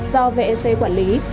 do vec quản lý